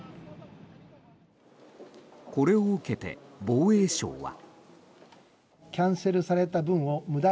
これを受けて防衛省は。